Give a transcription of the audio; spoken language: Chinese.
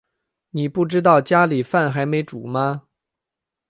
妳不知道家里饭还没煮吗